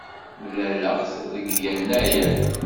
Mlaleɣ-t deg yennayer.